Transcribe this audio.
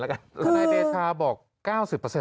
คุณนายเทศภาพบอก๙๐แล้วเหรอ